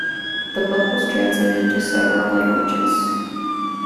The book was translated to several languages.